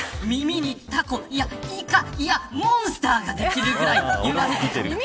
耳にタコ、いやイカいやモンスターができるぐらい言われてきた。